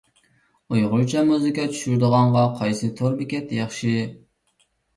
ئۇيغۇرچە مۇزىكا چۈشۈرىدىغانغا قايسى تور بېكەت ياخشى؟